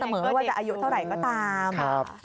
ไม่ว่าจะอายุเท่าไหร่ก็ตาม